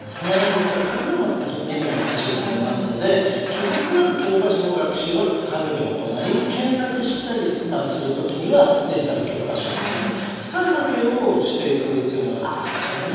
ですから紙のほうが目に優しいと思いますので基本となる教科書の学習は紙で行い検索したりする時にはデジタル教科書と使い分けをしていく必要があると思いますね。